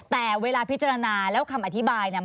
แต่เวลาพิจารณาแล้วคำอธิบายเนี่ย